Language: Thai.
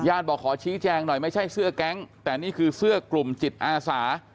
บอกขอชี้แจงหน่อยไม่ใช่เสื้อแก๊งแต่นี่คือเสื้อกลุ่มจิตอาสา